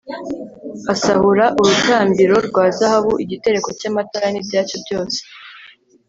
asahura urutambiro rwa zahabu, igitereko cy'amatara n'ibyacyo byose